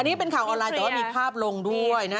อันนี้เป็นข่าวออนไลแต่ว่ามีภาพลงด้วยนะ